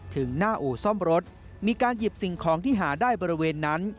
ถึงหน้าอู่ซ่อมรถมีการหยิบสิ่งของที่หาได้บริเวณนั้น